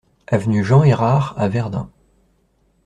Avenue Jean Errard à Verdun